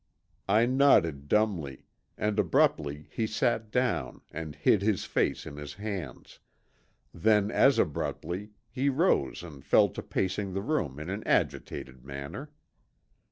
I nodded dumbly, and abruptly he sat down and hid his face in his hands, then as abruptly he rose and fell to pacing the room in an agitated manner.